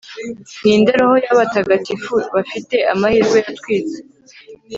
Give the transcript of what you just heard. Ninde roho yabatagatifu bafite amahirwe yatwitse